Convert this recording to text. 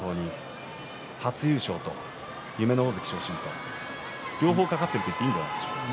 初優勝と、夢の大関昇進両方懸かっていると言っていいんじゃないですか。